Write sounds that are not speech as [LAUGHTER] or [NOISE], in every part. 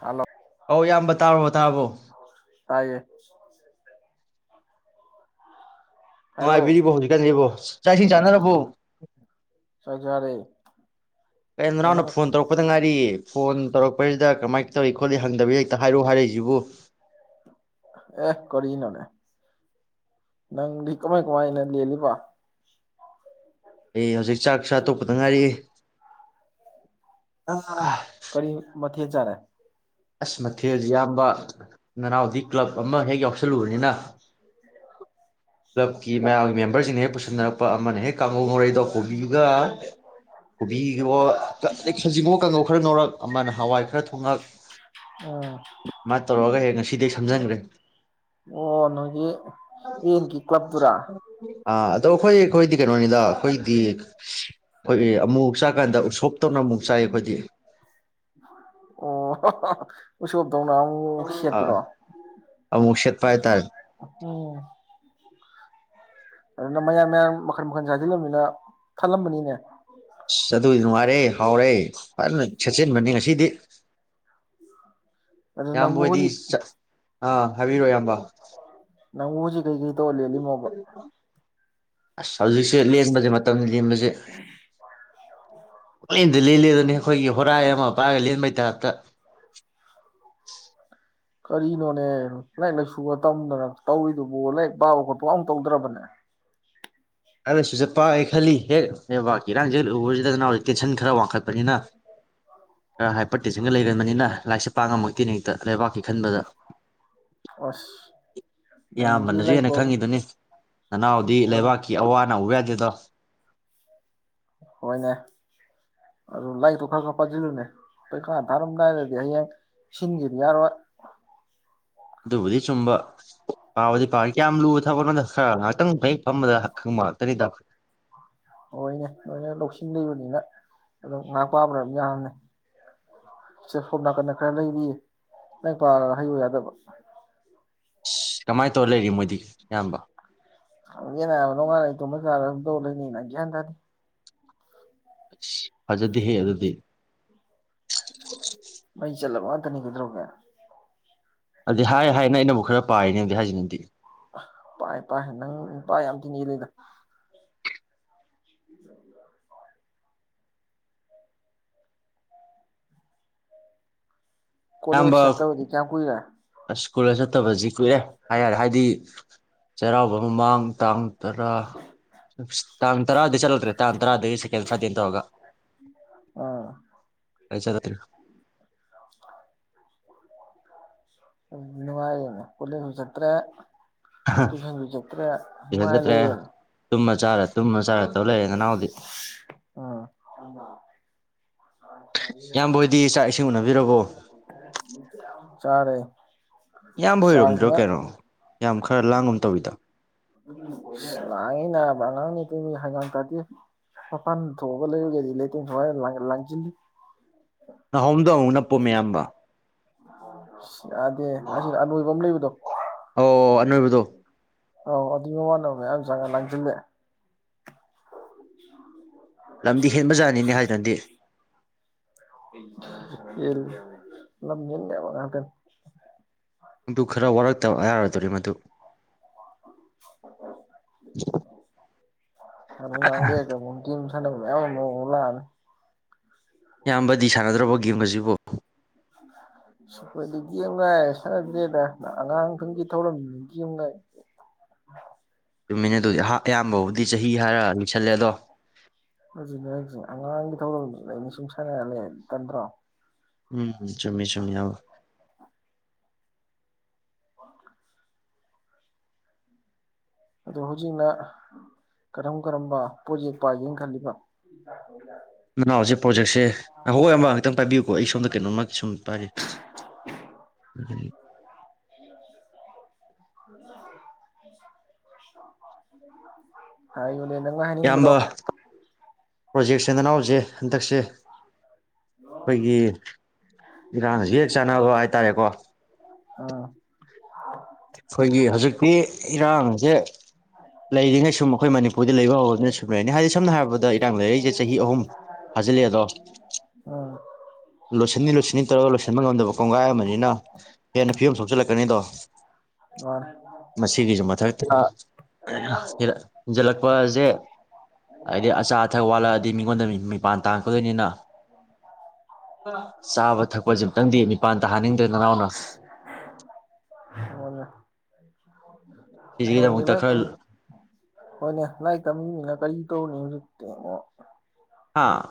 Hello ꯍꯣꯏ ꯏꯌꯥꯝꯕ ꯇꯥꯔꯕꯣ ꯇꯥꯔꯕꯣ ꯇꯥꯏꯌꯦ ꯍꯥꯏꯔꯛꯑꯣ ꯅꯨꯡꯉꯥꯏꯕꯤꯔꯤꯕꯣ ꯍꯧꯖꯤꯛꯀꯥꯟꯁꯤꯕꯣ ꯆꯥꯛꯏꯁꯤꯡ ꯆꯥꯟꯅꯔꯕꯣ ꯆꯥꯛ ꯆꯥꯔꯦ ꯀ ꯅꯪꯅ ꯅꯅꯥꯎꯅ ꯐꯣꯟ ꯇꯧꯔꯛꯄꯗ ꯉꯥꯏꯔꯤꯌꯦ ꯐꯣꯟ ꯇꯧꯔꯛꯄꯁꯤꯗ ꯀꯃꯥꯏꯅ ꯇꯧꯔꯤ ꯈꯣꯠꯂꯤ ꯍꯪꯗꯕꯤ ꯍꯦꯛꯇ ꯍꯥꯏꯔꯣ ꯍꯥꯏꯔꯛꯏꯁꯤꯕꯨ ꯑꯦ ꯀꯔꯤꯅꯣꯅꯦ ꯅꯪꯗꯤ ꯀꯃꯥꯏ ꯀꯃꯥꯏꯅ ꯂꯦꯜꯂꯤꯕ ꯑꯩ ꯍꯧꯖꯤꯛ ꯆꯥꯛ ꯆꯥꯇꯣꯛꯄꯗ ꯉꯥꯏꯔꯤ ꯑ ꯀꯔꯤ ꯃꯊꯦꯜ ꯆꯔꯦ ꯑꯁ ꯃꯊꯦꯜꯁꯦ ꯏꯌꯥꯝꯕ ꯅꯅꯥꯎꯗꯤ ꯀ꯭ꯂꯕ ꯑꯃ ꯍꯦꯛ ꯌꯥꯎꯁꯜꯂꯨꯕꯅꯤꯅ ꯀ꯭ꯂꯕꯀꯤ ꯑꯣ ꯃꯌꯥꯝꯒꯤ ꯃꯦꯝꯕꯔꯁꯤꯡ ꯍꯦꯛ ꯄꯨꯁꯤꯟꯅꯔꯛ ꯑ ꯑꯃꯅꯍꯦꯛ ꯀꯥꯡꯒꯨ ꯉꯧꯔꯦꯗꯣ ꯀꯣꯕꯤꯒ ꯀꯣꯕꯤꯋꯣ ꯁꯖꯤꯡꯒꯣ ꯀꯥꯡꯉꯧ ꯈꯔ ꯅꯧꯔꯛ ꯑꯃꯅ ꯍꯋꯥꯏ ꯈꯔ ꯊꯣꯡꯉꯛ ꯎꯝ ꯑꯗꯨꯃꯥꯏꯅ ꯇꯧꯔꯒ ꯍꯦꯛ ꯉꯁꯤꯗꯤ ꯁꯝꯖꯟꯈ꯭ꯔꯦ ꯑꯣ ꯅꯣꯏꯒꯤ ꯌꯦꯟꯒꯤ ꯀ꯭ꯂꯕ ꯑꯥ ꯑꯗꯣꯈꯣꯏ ꯑꯩꯈꯣꯏꯗꯤ ꯀꯩꯅꯣꯅꯤꯗ ꯑꯩꯈꯣꯏꯗꯤ ꯑꯩꯈꯣꯏ ꯑꯃꯨꯛ ꯆꯥꯀꯥꯟꯗ ꯎꯁꯣꯞꯇꯧꯅ ꯑꯃꯨꯛ ꯆꯥꯏ ꯑꯩꯈꯣꯏꯗꯤ ꯑꯣ ꯎꯁꫭꯞ ꯇꯧꯅ ꯎ ꯄꯥ ꯍꯥꯏꯇꯥꯔꯦ ꯎꯝ꯫ ꯑꯗꯨꯅ ꯃꯌꯥꯝ ꯃꯌꯥꯝ ꯃꯈꯟ ꯃꯈꯟ ꯁꯥꯖꯤꯜꯂꯝꯅꯤꯅ ꯊꯜꯂꯝꯃꯅꯤꯅꯦ ꯑꯁ ꯑꯗꯣꯏꯗꯤ ꯅꯨꯡꯉꯥꯏꯔꯦ ꯍꯥꯎꯔꯦ ꯐꯖꯅ ꯁꯦꯠꯆꯤꯟꯕꯅꯤ ꯉꯁꯤꯗꯤ [UNINTELLIGIBLE] ꯑꯗꯨ ꯅꯪꯕꯨ ꯏꯌꯥꯝꯕꯍꯣꯏꯗꯤ ꯍꯧꯖꯤꯛ ꯑꯥ ꯍꯥꯏꯕꯤꯔꯣ ꯏꯌꯥꯝꯕ ꯅꯪꯕꯨ ꯍꯨꯖꯤꯛ ꯀꯩ ꯀꯩ ꯇꯣꯔ ꯂꯦꯟꯂꯤ ꯃꯣꯕ ꯑꯁ ꯍꯧꯖꯤꯛꯁꯦ ꯂꯦꯟꯕꯁꯦ ꯃꯇꯝꯁꯦ ꯂꯦꯟꯕꯁꯦ ꯄꯦꯂꯦꯟꯗ ꯂꯦꯟꯂꯦ ꯍꯥꯏꯗꯨꯅꯤ ꯑꯩꯈꯣꯏꯒꯤ ꯍꯣꯔꯥꯏ ꯑꯃ ꯄꯥꯏꯔꯒ ꯂꯦꯟꯕꯩ ꯇꯥꯏ꯭ꯄꯇ ꯀꯔꯤꯅꯣꯅꯦ ꯂꯥꯏꯔꯤꯛ ꯂꯥꯏꯁꯨꯒ ꯇꯝꯗꯅ ꯇꯧꯔꯤꯗꯨꯕꯨ ꯂꯥꯏꯔꯤꯛ ꯄꯥꯕ ꯈꯣꯠꯄ ꯒ ꯑꯝ ꯇꯧꯗ꯭ꯔꯕꯅꯦ ꯑꯔꯦ ꯁꯨꯠꯂ ꯄꯥꯏ ꯈꯜꯂꯤ ꯍꯦꯛ ꯂꯩꯕꯥꯛꯀꯤ ꯏꯔꯥꯡꯁꯦ ꯎꯕꯁꯤꯗꯅ ꯍꯧꯖꯤꯛ ꯇꯦꯟꯁꯟ ꯈꯔ ꯋꯥꯡꯈꯠꯄꯅꯤꯅ ꯈꯔ ꯍꯥꯏꯄꯔ ꯇꯦꯟꯁꯟꯒ ꯂꯩꯒꯟꯕꯅꯤꯅ ꯂꯥꯏꯔꯤꯛꯁꯦ ꯄꯥꯉꯝꯃꯛꯇꯦꯅꯦ ꯍꯦꯛꯇ ꯂꯩꯕꯥꯛꯀꯤ ꯈꯟꯕꯗ ꯑꯁ ꯅꯪꯒꯤ ꯏꯌꯥꯝꯕꯅꯁꯨ ꯍꯦꯟꯅ ꯂꯥꯏꯀꯣ ꯈꯪꯉꯤꯗꯨꯅꯤ ꯅꯅꯥꯎꯗꯤ ꯂꯩꯕꯥꯛ ꯅ ꯎꯕꯥ ꯌꯥꯗꯦꯗꯣ ꯍꯣꯏꯅꯦ ꯑꯗꯨ ꯂꯥꯏꯔꯤꯛꯇꯨ ꯈꯔ ꯈꯔ ꯄꯥꯁꯤꯜꯂꯨꯅꯦ ꯄꯔꯤꯈ꯭ꯌꯥ ꯊꯥꯔꯝꯗꯥꯏꯗꯗꯤ ꯍꯌꯦꯡ ꯁꯤꯟꯒꯦꯗꯤ ꯌꯥꯔꯣꯏ ꯑꯗꯨꯕꯨꯗꯤ ꯆꯨꯝꯕ ꯄꯥꯕꯗꯤ ꯄꯥ ꯀꯌꯥꯝ ꯂꯨꯕ ꯊꯕꯛꯣꯗ ꯈꯔ ꯉꯥꯏꯍꯥꯛꯇꯪ ꯍꯦꯛ ꯐꯝꯕꯗ ꯈꯪꯕ ꯉꯥꯛꯇꯅꯤ ꯗ ꯍꯣꯏꯅꯦ ꯅꯣꯏꯅ ꯂꯧꯁꯤꯡ ꯂꯩꯕꯅꯤꯅ ꯑꯗꯨꯝ ꯉꯥꯏꯍꯥꯛ ꯄꯥꯕ꯭ꯗ ꯑꯗꯨꯝ ꯌꯥꯅꯤ ꯁꯦ ꯁꯣꯝ ꯅꯥꯀꯟꯗ ꯈꯔ ꯂꯩꯔꯤꯌꯦ ꯂꯥꯏꯔꯤꯛ ꯄꯥꯔꯒ ꯍꯩꯕ ꯌꯥꯗꯕ ꯀꯃꯥꯏꯅ ꯇꯧꯔ ꯂꯩꯔꯤ ꯃꯣꯏꯗꯤ ꯏꯌꯥꯝꯕ ꯌꯦꯅꯉ ꯅꯣꯡ ꯉꯥꯟꯂꯦ ꯑꯃꯨꯛ ꯇꯨꯞ ꯆꯥꯔ ꯑꯗꯨꯝ ꯇꯧ ꯂꯩ ꯒ꯭ꯌꯥꯡ ꯇꯥꯗꯦ ꯐꯖꯗꯦꯍꯦ ꯑꯗꯨꯗꯤ ꯃꯧ ꯆꯠꯂꯕ ꯇꯅꯤ ꯀꯧꯗꯧꯔꯒꯦ ꯑꯗꯨꯗꯤ ꯍꯥꯏ ꯍꯥꯏꯅ ꯑꯩꯅꯕꯨ ꯈꯔ ꯄꯥꯏꯔꯤꯅꯦ ꯑꯗꯨꯗꯤ ꯍꯥꯏꯁꯤ ꯅꯗꯤ ꯄꯥꯏ ꯄꯥꯏ ꯅꯪ ꯄꯥꯏ ꯌꯥꯝ ꯊꯤꯅ ꯍꯦꯟꯂꯤꯗ [UNINTELLIGIBLE] ꯀꯣꯂꯦꯖ ꯆꯠꯇꯥꯕꯗꯤ ꯀꯌꯥꯝ ꯀꯨꯏ ꯔꯦ? ꯁ꯭ꯀꯨꯜꯗ ꯆꯠꯇꯕꯁꯤ ꯀꯨꯏꯔꯦ ꯍꯥꯏ ꯌꯥꯔꯦ ꯍꯥꯏꯗꯤ ꯆꯩꯔꯥꯎꯕ ꯃꯃꯥꯡ ꯇꯥꯡ ꯇꯔꯥ ꯇꯥꯟ ꯇꯔꯥꯗꯩ ꯆꯠꯂꯨꯗ꯭ꯔꯦ ꯥ ꯇꯔꯥꯗꯒꯤ ꯁꯦꯀꯦꯟ ꯐ꯭ꯕꯥꯏꯗꯦꯅꯦ ꯇꯧꯔꯒ ꯑꯥ ꯀꯩ ꯆꯠꯂꯗ꯭ꯔꯣꯏꯕ ꯑꯗꯨꯗ ꯅꯨꯡꯉꯥꯏꯔꯦꯅꯦ ꯀꫭꯂꯦꯖꯁꯨ ꯆꯠꯇ꯭ꯔꯦ ꯇꯨꯏꯁꯟꯁꯨ ꯆꯠꯇ꯭ꯔꯦ ꯇꯨꯏꯁꯟ ꯅꯨꯡꯉꯥꯏ ꯆꯠꯇ꯭ꯔꯦ ꯂꯩꯔꯦ ꯇꯨꯝꯃ ꯆꯥꯔ- ꯇꯨꯝꯃ- ꯆꯥꯔ ꯇꯧ ꯂꯩꯔꯦ ꯅꯅꯥꯎꯗꯤ ꯏꯌꯥꯝꯕ ꯑ ꯍꯣꯏꯗꯤ ꯆꯥꯛ ꯏꯁꯤꯡ ꯎꯅꯕꯤꯔꯕꯣ ꯁ [INAUDIBLE] ꯆꯥꯔꯦ ꯏꯌꯥꯝꯕꯍꯣꯏꯔꯣꯝꯗꯔꯣ ꯆꯥꯁꯤꯅ ꯀꯩꯅꯣ ꯌꯥꯝ ꯈꯔ ꯂꯥꯡꯒꯨꯝ ꯇꯧꯋꯤꯗ ꯂꯥꯡꯏꯅꯦ ꯅꯥꯕ ꯑꯉꯥꯡ ꯅꯇ ꯍꯩꯉꯥꯡ ꯇꯥꯗꯦ ꯃꯄꯥꯟ ꯊꯣꯛꯑꯒ ꯂꯩꯔꯒꯦꯗꯤ ꯂꯩꯇ ꯁꯋꯥꯏ ꯂꯥꯡꯁꯤꯜꯂꯤ ꯅꯍꯣꯝ ꯗꯅꯄꯣ ꯃꯌꯥꯝꯕ ꯌꯥꯗꯦ ꯑꯁꯤꯗ ꯑꯅꯣꯏꯕ ꯑꯃ ꯂꯩꯕꯗꯣ ꯑꯣ ꯑꯅꯣꯏꯕꯗꯣ ꯑꯧ ꯑꯗꯨꯒꯤ ꯃꯃꯥꯟꯅꯕꯅꯦꯌꯥꯝ ꯆꯒ ꯂꯥꯡꯁꯤꯜꯂꯦ ꯎ ꯂꯝꯗꯤ ꯍꯦꯟꯕꯖꯥꯅꯤꯅꯦ ꯍꯥꯏ ꯅꯗꯦ ꯌꯦ ꯂꯝꯍꯦꯟꯕ ꯌꯕ ꯉꯥꯛꯇꯅꯦ ꯅꯗꯨ ꯈꯔ ꯋꯥꯔꯛꯇꯕ ꯑꯌꯥꯔꯗꯣꯔꯤ ꯃꯗꯨ [UNINTELLIGIBLE] ꯑ ꯅꯪꯗ ꯀ ꯃꯇ ꯂ [UNINTELLIGIBLE] ꯏꯌꯥꯝꯕꯗꯤ ꯁꯥꯟꯅꯗ꯭ꯔꯕ ꯒꯦꯝꯒ ꯁꯤꯕꯨ ꯁꯄꯣꯏꯗꯤ ꯀ ꯑꯃ ꯉꯥꯏ ꯁꯥꯟꯅꯗ꯭ꯔꯦꯗ ꯑꯉꯥꯡ ꯈꯨꯒꯤ ꯊꯧꯔꯝꯗꯨ ꯑꯃ ꯉꯥꯏ ꯆꯨꯝꯃꯤꯅꯦ ꯑꯗꯨꯍ ꯑꯌꯥꯝꯕꯕꯨꯗꯤ ꯆꯍꯤ ꯍꯥꯏꯔꯛꯑꯅꯤ ꯄꯨꯁꯜꯂꯦꯗꯣ ꯑꯗꯨꯅꯦ ꯍꯥꯏꯁꯦ ꯑꯉꯥꯡꯒꯤ ꯊꯧꯔꯝꯗꯨꯗ ꯑꯩꯅ ꯁꯨꯝ ꯁꯥꯟꯅꯔꯅꯤ ꯇꯟꯗꯔꯣ ꯎꯝ ꯆꯨꯨꯝꯃꯤ ꯆꯨꯨꯝꯃꯤ ꯏꯌꯥꯝꯕ ꯑꯗꯣ ꯍꯧꯖꯤꯛꯅ ꯀꯔꯝ ꯀꯔꯝꯕ ꯄ꯭ꯔꯣꯠꯖꯦꯛ ꯄꯥꯏꯒꯦꯅ ꯈꯜꯂꯤꯕ ꯅꯅꯥꯎꯁꯦ ꯄ꯭ꯔꯣꯖꯦꯛꯁꯦ ꯉꯥꯏꯈꯣ ꯏꯌꯥꯝꯕ ꯉꯥꯛꯇ ꯄꯥꯏꯕꯤꯌꯨꯀꯣ ꯑꯩ ꯁꯣꯝꯗ ꯀꯩꯅꯣꯃ ꯁꯨꯝ ꯄꯥꯏ [UNINTELLIGIBLE] ꯍꯥꯏ ꯅꯪꯅ ꯍꯥꯏꯅꯤꯡꯕꯗꯣ ꯏꯌꯥꯝꯕ ꯄ꯭ꯔꯣꯖꯦꯛꯁꯦ ꯅꯅꯥꯎꯁꯦ ꯍꯟꯗꯛꯁꯦ ꯑꯩꯈꯣꯏꯒꯤ ꯏꯔꯥꯡꯁꯤ ꯍꯦꯛ ꯆꯥꯟꯅꯕ ꯍꯥꯏꯇꯥꯔꯦꯀꯣ ꯎꯝ ꯈꯣꯏꯒꯤ ꯍꯧꯖꯤꯛꯇꯤ ꯏꯔꯥꯡꯖꯦ ꯂꯩꯔꯤꯉꯩ ꯁꯨꯝ ꯑꯈꯣꯏ ꯃꯅꯤꯄꯨꯔꯗꯤ ꯂꯩꯕ ꯍꯧꯔꯅꯤ ꯁꯨꯝ ꯂꯩꯔꯅꯤ ꯍꯥꯏꯗꯤ ꯁꯝꯅ ꯍꯥꯏꯔꯕꯗ ꯏꯇꯥꯡ ꯂꯩꯔꯛꯏꯖꯦ ꯆꯍꯤ ꯑꯍꯨꯝ ꯐꯥꯖꯤꯜꯂꯦꯑꯦꯗꯣ ꯎꯝ ꯂꯣꯏꯁꯤꯟꯅꯤ ꯂꯣꯏꯁꯤꯟꯅꯤ ꯇꯧꯔꯒ ꯂꯣꯏꯁꯟꯕ ꯉꯝꯗꯕ ꯀꯣꯡꯒꯥꯏ ꯑꯃꯅꯤꯅ ꯍꯦꯟꯅ ꯐꯤꯕꯝ ꯁꯣꯛꯆꯜꯂꯛꯀꯅꯤꯗꯣ ꯃꯥꯅꯦ ꯃꯁꯤꯒꯤꯁꯨ ꯃꯊꯛꯇ ꯑꯍꯥ ꯍꯦꯔ ꯖꯜꯂꯛꯄ ꯆꯦ ꯍꯥꯏꯗꯤ ꯑꯆꯥ ꯑꯊꯛ ꯋꯥꯠꯂꯛꯑꯗꯤ ꯃꯤꯉꯣꯟꯗ ꯃꯤ ꯃꯤꯄꯥꯟ ꯇꯥꯡꯉꯛꯀꯗꯣꯏꯅꯤꯅ ꯆꯥꯕ ꯊꯛꯄ ꯖꯦꯝꯇꯪꯗꯤ ꯃꯤꯄꯥꯟ ꯇꯥꯍꯟꯅꯤꯡ ꯇꯦ ꯅꯅꯥꯎꯅ ꯃꯥꯅꯦ ꯅꯣꯏꯗꯤ ꯁꯤꯁꯤꯒꯤꯗꯃꯛꯇ ꯂꯥꯏꯔꯤꯛ ꯇꯝ ꯈꯔ ꯍꯣꯏꯅꯦ ꯂꯥꯏꯛꯇꯝꯃꯤ ꯃꯤꯅ ꯀꯔꯤ ꯇꯧꯅꯤꯒꯤ ꯀꯩꯅꯣ ꯍꯥꯥ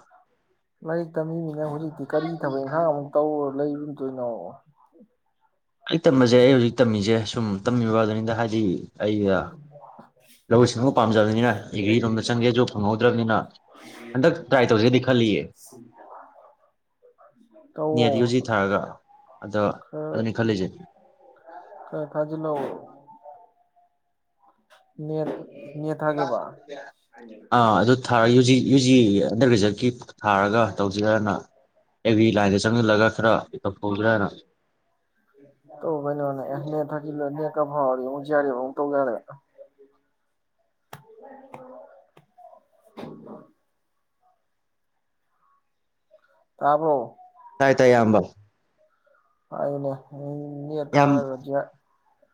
ꯂꯥꯏꯔꯤꯛ ꯇꯝꯃꯤꯃꯤꯅ ꯀꯔꯤ ꯊꯕꯛ ꯏꯪꯒꯥꯡ ꯑꯃꯨꯛ ꯇꯧꯔꯣ ꯂꯩꯔꯨꯗꯣꯏꯅꯣ ꯑꯩ ꯇꯝꯕꯖꯦ ꯑꯩ ꯍꯧꯖꯤꯛ ꯇꯝꯃꯤꯖꯦ ꯁꯨꯝ ꯇꯝꯃꯤꯕꯗꯨꯅꯤꯗ ꯍꯥꯏꯗꯤ ꯑꯩ [UNINTELLIGIBLE] ꯂꯧꯎ ꯁꯤꯡꯎ ꯄꯥꯝꯖꯕꯅꯤꯅ ꯑꯦꯒ꯭ꯔꯤ ꯂꯣꯝꯗ ꯆꯪꯒꯦꯖꯨ ꯐꯪꯍꯧꯗ꯭ꯔꯕꯅꯤꯅ ꯍꯟꯗꯛ ꯇ꯭ꯔꯥꯏ ꯇꯧꯖꯤꯔꯗꯤ ꯈꯜꯂꯤꯌꯦ ꯇꯧꯋꯣ ꯅꯦꯠ ꯌꯨ ꯖꯤ ꯊꯥꯔꯒ ꯑꯗ ꯈꯔ ꯑꯗꯨꯅꯤ ꯈꯜꯂꯤꯖꯦ ꯈꯔ ꯊꯥꯖꯤꯜꯂꯛꯑꯣ ꯅꯦꯠ ꯅꯦꯠ ꯊꯥꯒꯤꯕ ꯑꯥ ꯑꯗꯨ ꯊꯥ ꯌꯨ ꯖꯤ ꯌꯨ ꯖꯤꯌꯦ ꯑꯟꯗꯔ ꯒ꯭ꯔꯦꯖꯦꯠ ꯀꯤꯞ ꯊꯥꯔꯒ ꯇꯧꯖꯤꯔꯅꯥ ꯑꯦ ꯕꯤ ꯂꯥꯏꯟꯗ ꯆꯪꯖꯜꯂꯒ ꯇꯧ ꯀꯩꯅꯅꯦ ꯑꯦ ꯅꯦꯠ ꯊꯥꯖꯤꯜꯂꯣ ꯅꯦꯠ ꯀ [UNINTELLIGIBLE] ꯌꯥꯔꯦ ꯇꯥꯕꯣꯔꯣ ꯇꯥꯏ ꯇꯥꯏ ꯏꯌꯝꯕ ꯍꯥꯏꯌꯨꯅꯦ ꯅ ꯅꯦꯠ ꯌꯥꯝ ꯊꯥꯔꯒ ꯖꯤꯑ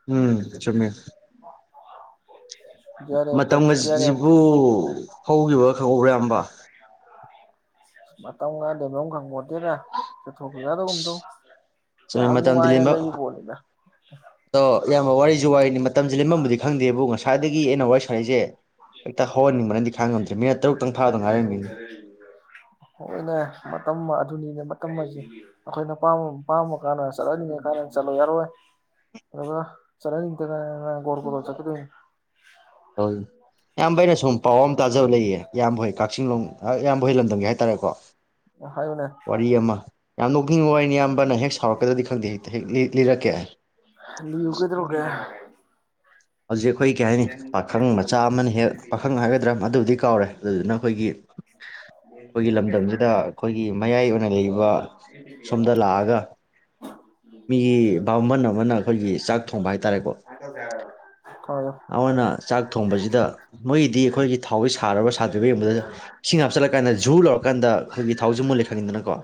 ꯎꯝ ꯆꯨꯝꯃꯦ [UNINTELLIGIBLE] ꯑꯦꯐꯇ ꯖꯤ ꯑꯥꯔ ꯑꯦꯐ ꯃꯇꯝꯒꯖꯤꯕꯨ ꯍꯧꯒꯤꯕꯒ ꯈꯪꯍꯧꯕ꯭ꯔꯥ ꯏꯌꯥꯝꯕ ꯃꯇꯝꯒꯗꯕꯝ ꯈꯪꯄꯣꯟ ꯌꯥꯝ ꯃꯇꯝꯗꯤ ꯅꯨꯡꯉꯥꯏꯅ ꯂꯦꯟꯕ ꯂꯩꯔꯤ ꯄꯣꯠꯅꯤꯗ ꯑꯗꯣ ꯏꯌꯥꯝꯕ ꯋꯥꯔꯤꯁꯨ ꯋꯥꯔꯤꯅꯤ ꯃꯇꯝꯖꯦ ꯂꯦꯝꯐꯝꯕꯨꯗꯤ ꯈꯪꯗꯦꯕꯨ ꯉꯁꯥꯏꯗꯒꯤ ꯑꯩꯅ ꯋꯥꯔꯤ ꯁꯥꯥꯔꯩꯏꯖꯦ ꯍꯦꯛꯇ ꯍꯧꯍꯟꯅꯤꯡꯕꯅꯤ [UNINTELLIGIBLE] ꯍꯣꯏꯅꯦ ꯃꯇꯝ ꯑꯗꯨꯅꯤꯅꯦ ꯃꯇꯝ ꯍꯥꯏꯁꯦ ꯑꯩꯈꯣꯏꯅ ꯄꯥꯃ ꯀꯥꯟꯗ ꯆꯠꯍꯟꯅꯤꯡꯉꯀꯥꯟꯗ ꯆꯠꯂꯣ ꯌꯥꯔꯣꯏ ꯑꯗꯨꯒ ꯆꯠꯍꯟꯅꯤꯡꯇꯀꯥꯟꯅ ꯏꯌꯥꯝꯕꯥ ꯑꯩꯅ ꯁꯨꯝ ꯄꯥꯎ ꯇꯥꯖꯕ ꯂꯩꯌꯦ ꯏꯌꯥꯝꯕ ꯍꯣꯏ ꯀꯛꯆꯤꯡꯂꯣꯝ ꯏꯌꯥꯝꯕ ꯍꯣꯏ ꯂꯝꯗꯝꯒꯤ ꯍꯥꯏꯇꯥꯔꯦꯀꯣ ꯍꯥꯏꯌꯨꯅꯦ ꯋꯥꯔꯤ ꯑꯃ ꯌꯥꯝ ꯅꯣꯛꯅꯤꯡꯕ ꯋꯥꯔꯤꯏꯅꯤ ꯑꯌꯥꯝꯕꯅ ꯍꯦꯛ ꯁꯥꯎꯔꯛꯀꯗ꯭ꯔꯗꯤ ꯈꯪꯗꯦ ꯍꯦꯛꯇ ꯍꯦꯛ ꯂꯤꯔꯛꯀꯦ ꯂꯤꯌꯨ ꯀꯩꯗꯧꯔꯒꯦ ꯍꯧꯖꯤꯛ ꯑꯩꯈꯣꯏ ꯀꯩ ꯍꯥꯏꯅꯤ ꯄꯥꯈꯪ ꯃꯆꯥ ꯑꯃꯅ ꯍꯦꯛ ꯄꯥꯈꯪ ꯍꯥꯏꯒꯗ꯭ꯔꯥ ꯃꯗꯨꯕꯨꯗꯤ ꯀꯥꯎꯔꯦ ꯑꯗꯨꯗꯨꯅ ꯑꯩꯈꯣꯏꯒꯤ ꯑꯩꯈꯣꯏꯒꯤ ꯂꯝꯗꯝꯁꯤꯗ ꯑꯩꯈꯣꯏꯒꯤ ꯃꯌꯥꯏ ꯑꯣꯏꯅ ꯂꯩꯔꯤꯕ ꯁꯣꯝꯗ ꯂꯥꯛꯑꯒ ꯃꯤꯒꯤ ꯚꯥꯃꯟ ꯑꯃꯅ ꯑꯩꯈꯣꯏꯒꯤ ꯆꯥꯛ ꯊꯣꯡꯕ ꯍꯥꯏꯇꯥꯔꯦꯀꯣ ꯍꯥꯏꯌꯣ ꯑꯃꯅ ꯆꯥꯛ ꯊꯣꯡꯕꯁꯤꯗ ꯃꯣꯏꯒꯤꯗꯤ ꯑꯩꯈꯣꯏꯒꯤ ꯊꯥꯎꯒꯤ ꯁꯥꯔꯕ ꯁꯥꯇ꯭ꯔꯤꯕ ꯌꯦꯡꯕꯗ ꯏꯁꯤꯡ ꯍꯥꯞꯆꯤꯜꯂꯀꯥꯟꯗ ꯖꯨ ꯂꯥꯎꯔꯀꯥꯟꯗ ꯑꯩꯈꯣꯏꯒꯤ ꯊꯥꯎꯁꯦ ꯃꯨꯜꯂꯦ ꯈꯪꯉꯤꯗꯅꯀꯣ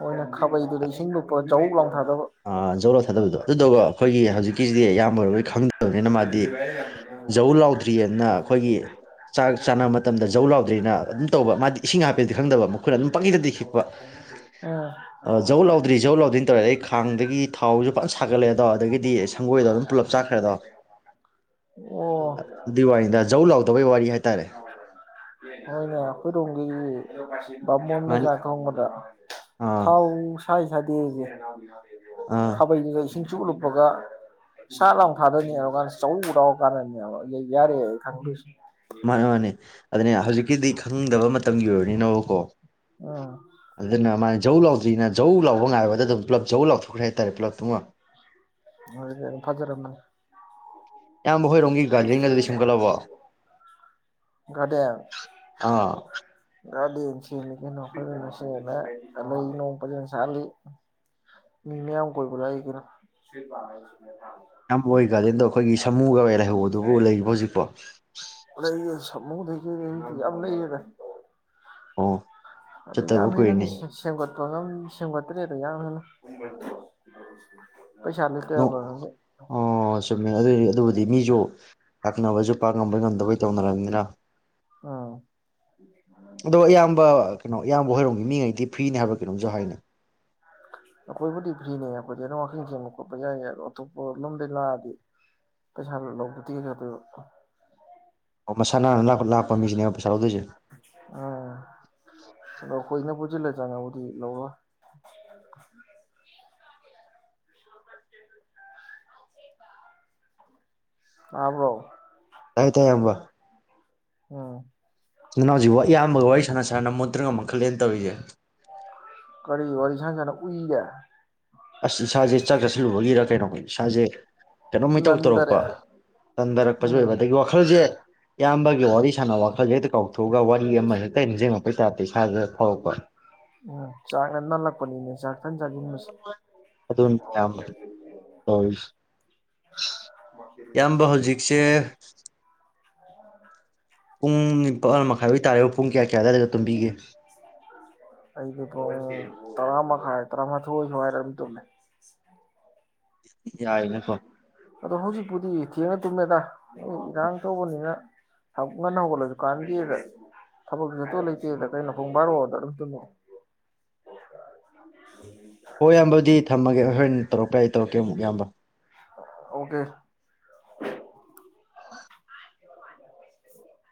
ꯃꯣꯏꯅ ꯈꯥꯕꯩꯗꯨꯗ ꯏꯁꯤꯡ ꯂꯨꯞꯄ ꯆꯥꯎ ꯂꯥꯎ ꯊꯥꯗꯕ ꯑ ꯖꯧ ꯂꯥꯎ ꯊꯥꯗꯕꯗꯣ ꯑꯗꯨꯗꯣ ꯀꯣ ꯑꯩꯈꯣꯏꯒꯤ ꯍꯧꯖꯤꯛꯀꯤ ꯁꯤꯗꯤ ꯏꯌꯥꯝꯕ ꯑꯣꯏꯔꯕꯣꯏ ꯈꯪꯗ ꯇꯧꯕꯅꯤꯅ ꯃꯥꯗꯤ ꯖꯧ ꯂꯥꯎꯗ꯭ꯔꯤꯑꯅ ꯑꯩꯈꯣꯏꯒꯤ ꯆꯥꯛ ꯆꯥꯅꯕ ꯃꯇꯝꯗ ꯖꯧ ꯂꯥꯎꯗ꯭ꯔꯤꯑꯅ ꯑꯗꯨꯝ ꯇꯧꯕ ꯃꯥꯗꯤ ꯏꯁꯤꯡ ꯍꯥꯞꯄꯦꯗꯤ ꯈꯪꯗꯕ ꯃꯈꯨꯏꯅ ꯑꯗꯨꯝ ꯄꯪꯈꯤꯛꯇꯗꯤ ꯇꯤꯛꯄ ꯎꯝ ꯖꯧ ꯂꯥꯎꯗ꯭ꯔꯤ ꯖꯧ ꯂꯥꯎꯗ꯭ꯔꯤꯅ ꯇꯧꯔꯦ ꯇꯧꯔꯦ ꯑꯗꯩ ꯗꯒꯤ ꯊꯥꯎꯁ ꯆꯥꯈ꯭ꯔꯦꯗꯣ ꯑꯣ ꯑꯗꯨꯏ ꯋꯥꯅꯤꯗ ꯖꯧ ꯂꯥꯎꯗꯕꯩ ꯋꯥꯔꯤ ꯍꯥꯏꯇꯥꯔꯦ ꯍꯣꯏꯅꯦ ꯑꯩꯈꯣꯏ ꯔꯣꯝꯒꯤ ꯕꯥꯃꯣꯟꯅ ꯃꯥꯅꯤ ꯆꯥꯛ ꯊꯣꯡꯕꯗ ꯑꯥ ꯊꯥꯎ ꯁꯥꯏ ꯁꯥꯗꯤꯒꯤ ꯑꯥ ꯈꯕꯩꯅ ꯁꯨꯝ ꯆꯨꯞ ꯂꯨꯞꯄꯒ ꯁꯠ ꯂꯥꯎ ꯊꯥꯗꯅꯤ ꯑꯗꯨꯀꯥꯟꯗ ꯆꯧ ꯂꯥꯎꯒꯥꯟꯗꯅꯦꯕ ꯌꯩ ꯌꯥꯔꯦ ꯈꯪꯗꯣꯏꯁꯦ ꯃꯥꯅꯦ ꯃꯥꯅꯦ ꯑꯗꯨꯅꯦ ꯍꯧꯖꯤꯛꯀꯤꯗꯤ ꯈꯪꯗꯕ ꯃꯇꯝꯒꯤ ꯑꯣꯏꯔꯅꯤꯅꯕ ꯀꯣ ꯎꯝ ꯑꯗꯨꯗ ꯅꯃꯥꯏ ꯖꯧ ꯂꯥꯎꯗ꯭ꯔꯤꯅ ꯖꯧ ꯂꯥꯎꯕ ꯉꯥꯏꯕꯗ ꯑꯗꯨꯝ ꯄꯨꯂꯞ ꯖꯧ ꯂꯥꯎꯊꯣꯛ ꯈ꯭ꯔꯦ ꯍꯥꯏꯇꯥꯔꯦ ꯄꯨꯂꯞ ꯇꯨꯃ ꯐꯖꯔꯝꯃꯅꯤ ꯏꯌꯥꯝꯕ ꯍꯣꯏꯔꯣꯝꯒꯤ ꯒꯥꯔꯗꯦꯟ ꯒꯗꯨꯗꯤ ꯁꯦꯝꯒꯠꯂꯕꯣ ꯒꯥꯔꯗꯦꯟ ꯍꯥ ꯒꯥꯔꯗꯦꯟ ꯁꯦꯝꯃꯦ ꯀꯩꯅꯣ ꯐꯖꯅ ꯁꯦꯝꯃ‌ꯦ ꯂꯩ ꯅꯣꯡ ꯐꯖꯅ ꯁꯥꯠꯜꯂꯤ ꯃꯤ ꯃꯌꯥꯝ ꯀꯣꯏꯕ ꯂꯥꯛꯏ ꯀꯩꯅꯣ [UNINTELLIGIBLE] ꯏꯌꯥꯝꯕ ꯍꯣꯏ ꯒꯥꯔꯗꯦꯟꯗꯣ ꯑꯩꯈꯣꯏꯒꯤ ꯁꯃꯨꯒ ꯂꯩꯍꯧꯕꯗꯨꯕꯨ ꯂꯩꯔꯤꯕꯣ ꯍꯧꯖꯤꯛꯄꯣ ꯂꯩꯌ‌ꯦ ꯁꯥꯃꯨ ꯂꯩ [UNINTELLIGIBLE] ꯌꯥꯝ ꯂꯩꯌ‌ꯦꯗ ꯑꯣ ꯑꯗꯨ ꯆꯠꯇꯕ ꯌꯥꯝ ꯍꯦꯟꯅꯗꯤ ꯀꯨꯏꯔꯦꯅꯦ ꯁꯦꯝꯒꯠꯄ ꯁꯦꯝꯒꯠꯇ꯭ꯔꯦꯗ ꯌꯥꯝ ꯍꯦꯟꯅ [UNINTELLIGIBLE] ꯂꯩꯇꯕ [UNINTELLIGIBLE] ꯈꯪꯗꯦ ꯑꯣ ꯆꯨꯝꯃꯦ ꯑꯗꯨ ꯑꯗꯨꯕꯨ ꯃꯤꯁꯨ [UNINTELLIGIBLE] ꯄꯥꯛ ꯉꯝꯕꯣꯏ ꯉꯝꯗꯕꯣꯏ ꯇꯧꯅꯔꯝꯅꯤꯅ ꯎꯝ ꯏꯌꯥꯝꯕ ꯍꯣꯏꯔꯣꯝꯒꯤ ꯃꯤꯉꯩꯗꯤ ꯐ꯭ꯔꯤꯅꯤ ꯍꯥꯏꯕ ꯀꯩꯅꯣꯝꯁꯨ ꯍꯥꯏꯅꯦ ꯑꯈꯣꯏꯕꯨꯗꯤ ꯐ꯭ꯔꯤꯅꯦ ꯑꯈꯣꯏꯗꯤ ꯑꯗꯨꯝ ꯋꯥꯀꯤꯡ ꯆꯦꯟꯕ ꯈꯣꯠꯄ ꯌꯥꯏ ꯑꯗꯣ ꯑꯇꯣꯞꯄ ꯂꯝꯗꯩ ꯂꯥꯛꯑꯗꯤ ꯄꯩꯁꯥ ꯂꯧꯕꯗꯤ [UNINTELLIGIBLE] ꯑꯣ ꯃꯁꯥ ꯅꯥꯟꯅ ꯂꯥꯛꯄ ꯂꯥꯛꯄ ꯃꯤꯁꯤꯅꯦ ꯎꯝ ꯑꯈꯣꯏꯅꯕꯨ [UNINTELLIGIBLE] ꯆꯡꯉꯕꯨꯗꯤ ꯂꯧꯔꯣꯏ ꯇꯥꯕ꯭ꯔꯣ ꯇꯥꯏ ꯇꯥꯏꯌꯦ ꯏꯌꯥꯝꯕ ꯎꯝ [UNINTELLIGIBLE] ꯏꯌꯥꯝꯕꯒ ꯋꯥꯔꯤ ꯁꯥꯟꯅ ꯁꯥꯟꯅꯅ [UNINTELLIGIBLE] [UNINTELLIGIBLE] ꯇꯧꯔꯤꯁꯦ ꯀꯔꯤ ꯋꯥꯔꯤ ꯁꯥꯅꯔꯥ ꯎꯏꯔꯦ ꯑꯁ ꯏꯁꯥꯁꯦ ꯆꯥꯛ ꯆꯠꯁꯤꯜꯂꯨꯕꯒꯤꯔ ꯀꯩꯅꯣ ꯏꯁꯥꯁꯦ ꯀꯩꯅꯣꯝ ꯏꯇꯧ ꯇꯧꯔꯛꯄ ꯅꯟꯗꯔꯦ ꯇꯟꯊꯔꯛꯄꯁꯨ ꯑꯣꯏꯕ ꯎꯝ ꯑꯗꯒꯤ ꯋꯥꯈꯜꯁꯦ ꯏꯌꯥꯝꯕꯒ ꯋꯥꯔꯤ ꯁꯥꯟꯅꯕ ꯋꯥꯈꯜꯁꯦ ꯍꯦꯛꯇ ꯀꯥꯎꯊꯣꯛꯑꯒ ꯋꯥꯔꯤ ꯑꯃ ꯍꯦꯛꯇ ꯅꯤꯡꯖꯪꯉꯛꯄꯩ ꯇꯥꯏꯞꯇ ꯏꯁꯥꯖꯦ ꯐꯥꯎꯔꯛꯄ ꯎꯝ ꯆꯥꯛꯅ ꯅꯜꯂꯛꯄꯅꯤꯅꯦ ꯆꯥꯛ ꯇꯟ ꯆꯥꯁꯤꯟꯕꯁꯦ [UNINTELLIGIBLE] [UNINTELLIGIBLE] ꯏꯌꯥꯝꯕ ꯍꯧꯖꯤꯛꯁꯦ ꯄꯨꯡ ꯅꯤꯄꯥꯜ ꯃꯈꯥꯏ [UNINTELLIGIBLE] ꯇꯥꯔꯦ ꯄꯨꯡ ꯀꯌꯥ ꯀꯌꯥ ꯑꯗꯥꯏꯗ ꯇꯨꯝꯕꯤꯒꯦ ꯑꯩꯗꯤ ꯄꯨꯡ ꯇꯔꯥ ꯃꯈꯥꯏ ꯇꯥꯔꯥꯃꯥꯊꯣꯏ ꯁꯨꯋꯥꯏꯗ ꯑꯗꯨꯝ ꯇꯨꯝꯃꯦ ꯌꯥꯏꯅꯦꯀꯣ ꯑꯗꯣ ꯍꯧꯖꯤꯛꯄꯨꯗꯤ ꯊꯦꯡꯅ ꯇꯨꯝꯃꯦꯗ ꯏꯔꯥꯡ ꯇꯧꯕꯅꯤꯅ ꯊꯕꯛ ꯉꯟꯅ ꯍꯧꯒꯠꯂꯁꯨ ꯀꯥꯟꯗꯦꯗ ꯊꯕꯛꯁꯨ ꯆꯠꯇꯧ ꯂꯩꯇꯦꯗ ꯀꯩꯅꯣ ꯄꯨꯡ ꯕꯥꯔꯣꯗ ꯑꯗꯨꯝ ꯇꯨꯝꯃꯦ ꯍꯣꯏ ꯏꯌꯥꯝꯕ ꯑꯗꯨꯗꯤ ꯊꯝꯃꯒꯦ ꯑꯩ ꯍꯣꯔꯦꯟ ꯇꯧꯔꯛꯄ ꯌꯥꯏ ꯇꯧꯔꯛꯀꯦ ꯑꯃꯨꯛ ꯏꯌꯥꯝꯕ ꯑꯣꯀꯦ [UNINTELLIGIBLE]